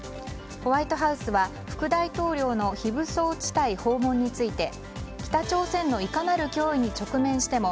ホワイトハウスは副大統領の非武装地帯訪問について北朝鮮のいかなる脅威に直面しても